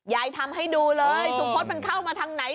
ทำให้ดูเลยสุพศมันเข้ามาทางไหน